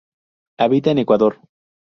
Habita en Ecuador.